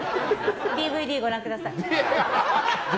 ＤＶＤご覧ください。